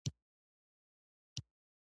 سمندر نه شتون د افغانستان د اقتصاد برخه ده.